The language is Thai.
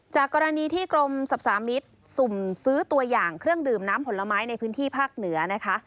จากกรณีที่กรมสรรพสามิตรสุ่มซื้อตัวอย่างเครื่องดื่มน้ำผลไม้ในพื้นที่ภาคเหนือนะคะ